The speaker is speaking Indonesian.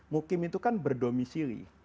mukim itu kan berdomisili